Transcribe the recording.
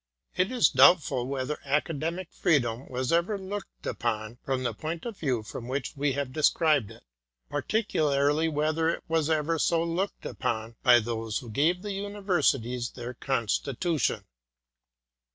It is doubtful whether Academic Freedom was ever looked upon from the point of view from which we have described it, particularly whether it was ever so looked upon by those who gave the Universities their OP ACADEMICAL FREEDOM. 183 constitution.